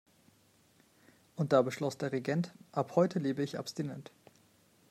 Und da beschloss der Regent: Ab heute lebe ich abstinent.